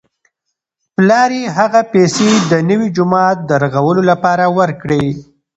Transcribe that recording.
پلار یې هغه پیسې د نوي جومات د رغولو لپاره ورکړې.